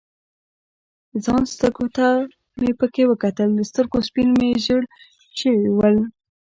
ځان سترګو ته مې پکې وکتل، د سترګو سپین مې ژړ شوي ول.